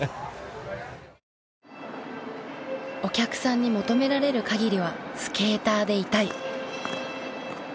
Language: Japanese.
お客さんに求められる限りはスケーターでいたい。